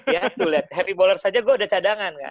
ya tuh lihat happy ballers aja gue udah cadangan kan